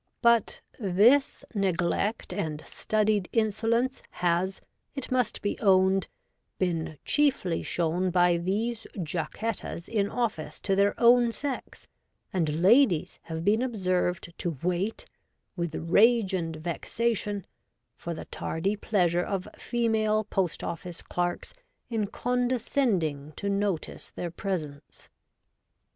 But this neglect and studied insolence has, it must be owned, been chiefly shown by these Jacquettas in office to their own sex ; and ladies have been observed to wait, with rage and vexation, for the tardy pleasure of female post office clerks in condescending to notice their presence.